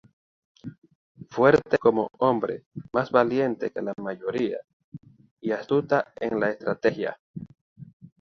Fuerte como hombre, más valiente que la mayoría, y astuta en la estrategia.